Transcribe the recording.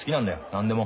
何でも。